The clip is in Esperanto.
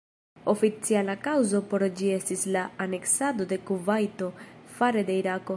Oficiala kaŭzo por ĝi estis la aneksado de Kuvajto fare de Irako.